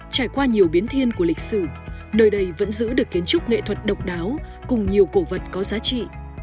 trải qua nhiều biến thiên của lịch sử nơi đây vẫn giữ được kiến trúc nghệ thuật độc đáo cùng nhiều cổ vật có giá trị